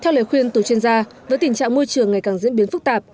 theo lời khuyên từ chuyên gia với tình trạng môi trường ngày càng diễn biến phức tạp